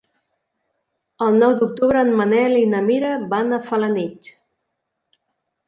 El nou d'octubre en Manel i na Mira van a Felanitx.